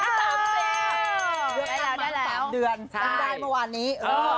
เรื่องทางมัน๓เดือนจำได้ประวัตินี้